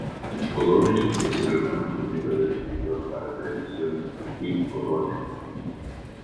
O'Donnell es el hermano gemelo de el escritor para televisión Steve O'Donnell.